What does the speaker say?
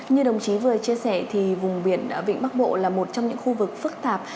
như đồng chí vừa chia sẻ thì vùng biển vịnh bắc bộ là một trong những khu vực phức tạp